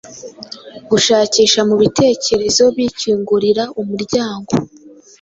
Gushakisha mu bitekerezo bikingurira umuryango